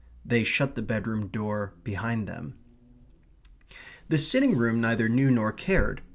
They shut the bedroom door behind them. The sitting room neither knew nor cared.